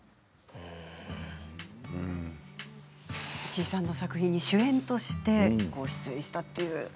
石井さんの作品に主演として出演したという。